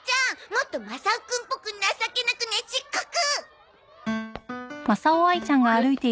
もっとマサオくんっぽく情けなくねちっこく！